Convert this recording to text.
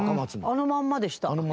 あのまんまでした。